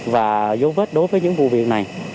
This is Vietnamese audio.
và dấu vết đối với những vụ việc này